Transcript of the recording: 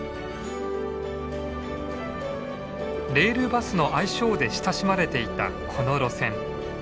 レールバスの愛称で親しまれていたこの路線。